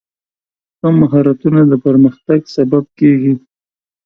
ښه مهارتونه د پرمختګ سبب کېږي.